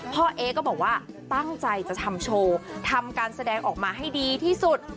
เอ๊ก็บอกว่าตั้งใจจะทำโชว์ทำการแสดงออกมาให้ดีที่สุด